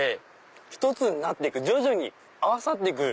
１つになって行く徐々に合わさって行く。